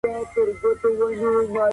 د معلوماتو په راټولولو کي دقت وکړئ.